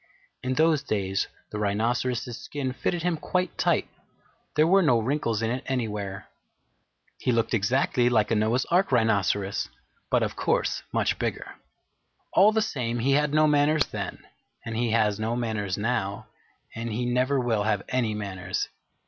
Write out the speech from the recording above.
In those days the Rhinoceros's skin fitted him quite tight. There were no wrinkles in it anywhere. He looked exactly like a Noah's Ark Rhinoceros, but of course much bigger. All the same, he had no manners then, and he has no manners now, and he never will have any manners.